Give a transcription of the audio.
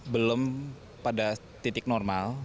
belum pada titik normal